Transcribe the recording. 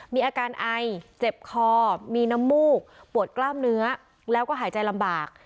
มีอาการไอเจ็บคอมีน้ำมูกปวดกล้ามเนื้อแล้วก็หายใจลำบาก